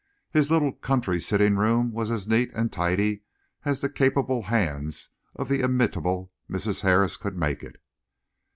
His little country sitting room was as neat and tidy as the capable hands of the inimitable Mrs. Harris could make it.